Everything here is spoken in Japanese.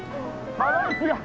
バランスが。